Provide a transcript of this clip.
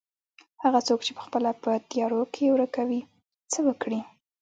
هغه څوک چې پخپله په تيارو کې ورکه وي څه وکړي.